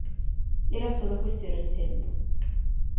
Era solo questione di tempo.